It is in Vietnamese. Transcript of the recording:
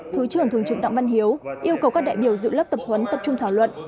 thứ trưởng thường trực đặng văn hiếu yêu cầu các đại biểu dự lớp tập huấn tập trung thảo luận